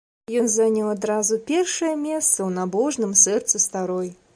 Ён заняў адразу першае месца ў набожным сэрцы старой.